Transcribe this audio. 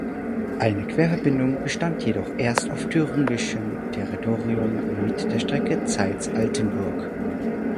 Eine Querverbindung bestand jedoch erst auf thüringischem Territorium mit der Strecke Zeitz–Altenburg.